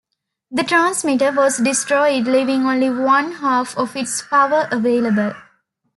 The transmitter was destroyed, leaving only one-half of its power available.